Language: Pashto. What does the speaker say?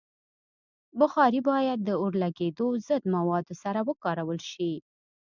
بخاري باید د اورلګیدو ضد موادو سره وکارول شي.